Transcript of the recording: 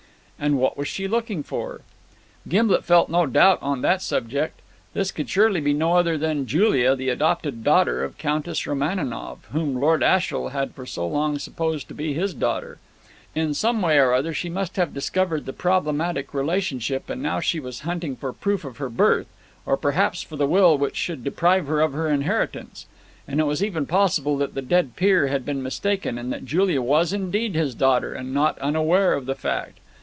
And what was she looking for? Gimblet felt no doubt on that subject. This could surely be no other than Julia, the adopted daughter of Countess Romaninov, whom Lord Ashiel had for so long supposed to be his daughter. In some way or other she must have discovered the problematic relationship, and now she was hunting for proof of her birth, or perhaps for the will which should deprive her of her inheritance. It was even possible that the dead peer had been mistaken, and that Julia was indeed his daughter and not unaware of the fact.